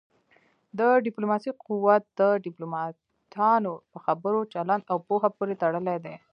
د ډيپلوماسی قوت د ډيپلوماټانو په خبرو، چلند او پوهه پورې تړلی دی.